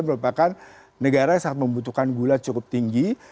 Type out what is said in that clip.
merupakan negara yang sangat membutuhkan gula cukup tinggi